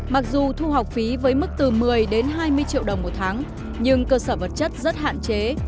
mặc dù thu học phí với mức từ một mươi đến hai mươi triệu đồng một tháng nhưng cơ sở vật chất rất hạn chế